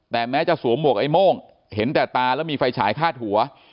แต่แม้จะสวมหวกไอ้โม่งเห็นแต่ตาแล้วมีไฟฉายคาดหัว